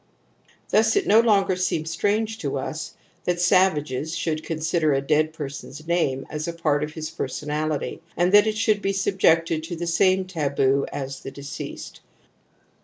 Thus it no longer seems strange to us that sav ages should consider a dead person's name as a part of his personality and that it should be sub jected to the same taboo as the deceased.